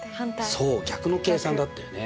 そう逆の計算だったよね。